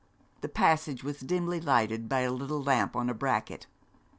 The passage was dimly lighted by a little lamp on a bracket.